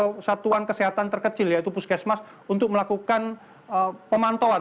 atau satuan kesehatan terkecil yaitu puskesmas untuk melakukan pemantauan